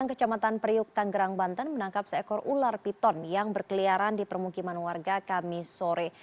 kecamatan periuk tanggerang banten menangkap seekor ular piton yang berkeliaran di permukiman warga kamisore